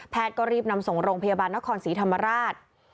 ก็รีบนำส่งโรงพยาบาลนครศรีธรรมราช